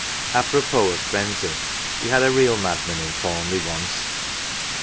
Apropos of frenzy, we had a real madman in Thorn leigh once.